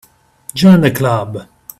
Join the Club.